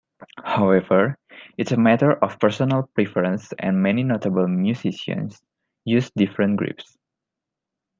However, it's a matter of personal preference and many notable musicians use different grips.